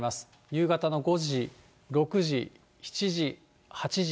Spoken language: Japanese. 夕方の５時、６時、７時、８時、９時。